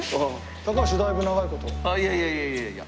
いやいやいやいや。